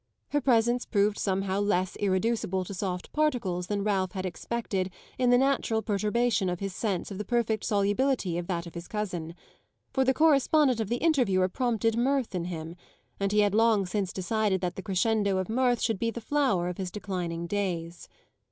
Her presence proved somehow less irreducible to soft particles than Ralph had expected in the natural perturbation of his sense of the perfect solubility of that of his cousin; for the correspondent of the Interviewer prompted mirth in him, and he had long since decided that the crescendo of mirth should be the flower of his declining days.